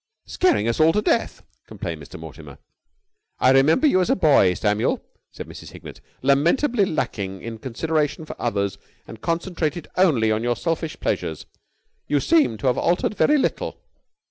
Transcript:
"Scaring us all to death!" complained Mr. Mortimer. "I remember you as a boy, Samuel," said Mrs. Hignett, "lamentably lacking in consideration for others and concentrated only on your selfish pleasures. You seem to have altered very little."